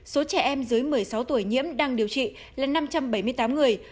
số trẻ em dưới một mươi sáu tuổi nhiễm đang điều trị là năm trăm bảy mươi tám người